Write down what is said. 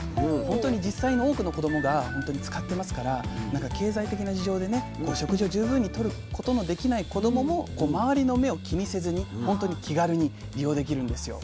本当に実際に多くの子どもが使ってますから経済的な事情でね食事を十分にとることのできない子どもも周りの目を気にせずに本当に気軽に利用できるんですよ。